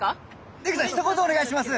出口さんお願いします。